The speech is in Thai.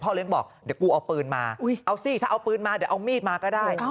เลี้ยงบอกเดี๋ยวกูเอาปืนมาเอาสิถ้าเอาปืนมาเดี๋ยวเอามีดมาก็ได้